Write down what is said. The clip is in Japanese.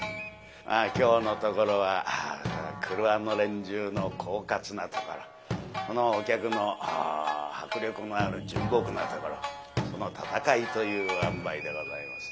まあ今日のところは郭の連中の狡猾なところこのお客の迫力のある純朴なところその戦いというあんばいでございます。